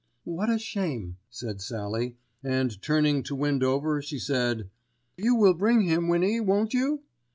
"What a shame," said Sallie, and turning to Windover she said, "You will bring him, Winnie, won't you?"